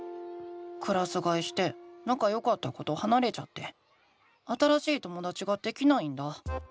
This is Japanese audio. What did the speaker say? クラスがえしてなかよかった子とはなれちゃって新しいともだちができないんだ。